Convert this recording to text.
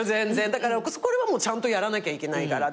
だからこれはちゃんとやらなきゃいけないから。